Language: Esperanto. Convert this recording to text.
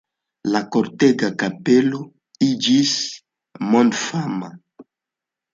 La Kortega kapelo iĝis mondfama.